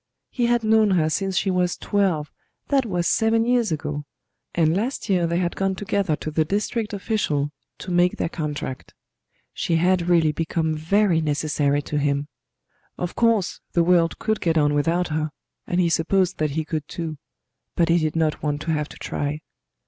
He had known her since she was twelve that was seven years ago and last year they had gone together to the district official to make their contract. She had really become very necessary to him. Of course the world could get on without her, and he supposed that he could too; but he did not want to have to try.